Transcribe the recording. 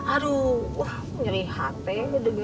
aduh ngeri hati dengarnya juga